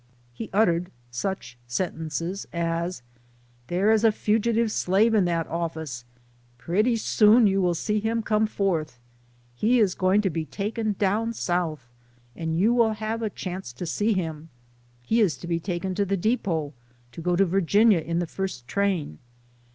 He uttered such sentences as, " There is a fugitive slave in that office pretty soon you will see him come forth. He is going to be taken down South, and you will have a chance to see him. He is to be taken to the depot, to go to Virginia in the first train.